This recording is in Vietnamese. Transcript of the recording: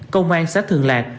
công an xã thường lạc